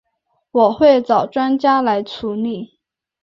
我会找专家来处理